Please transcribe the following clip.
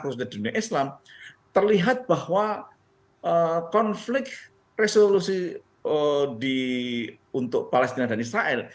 khususnya di dunia islam terlihat bahwa konflik resolusi untuk palestina dan israel